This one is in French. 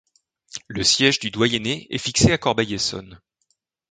Le siège du doyenné est fixé à Corbeil-Essonnes.